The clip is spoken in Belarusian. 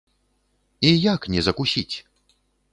І як не закусіць?